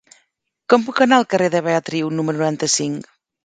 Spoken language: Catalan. Com puc anar al carrer de Beatriu número noranta-cinc?